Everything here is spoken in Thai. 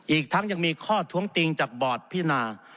อีกทั้งยังมีข้อท้วงติงจากบอร์ดพินา